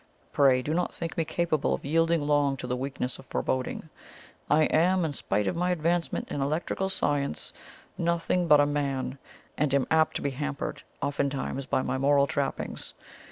Pray do not think me capable of yielding long to the weakness of foreboding. I am, in spite of my advancement in electric science, nothing but a man, and am apt to be hampered oftentimes by my mortal trappings.